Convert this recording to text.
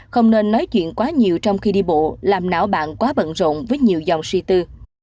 không nên nói chuyện quá nhiều trong khi đi bộ làm não bạn quá bận rộn với nhiều dòng suy tư